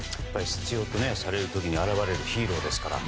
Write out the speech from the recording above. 必要とされる時に現れるヒーローですから。